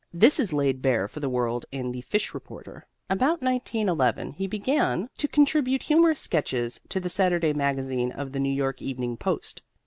This is laid bare for the world in "The Fish Reporter." About 1911 he began to contribute humorous sketches to the Saturday Magazine of the New York Evening Post.